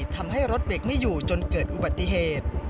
ทำให้รถเบรกไม่อยู่จนเกิดอุบัติเหตุ